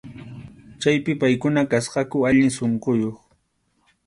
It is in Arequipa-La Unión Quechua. Chaypi paykuna kasqaku allin sunquyuq.